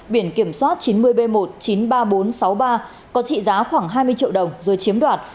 biển kiểm soát chín mươi b một chín mươi ba nghìn bốn trăm sáu mươi ba có trị giá khoảng hai mươi triệu đồng rồi chiếm đoạt